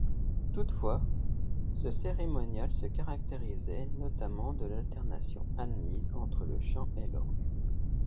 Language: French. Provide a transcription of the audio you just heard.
Toutefois, ce cérémonial se caractérisait notamment de l'alternation admise entre le chant et l'orgue.